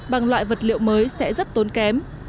bằng loại vật liệu mới sẽ rất tốn kém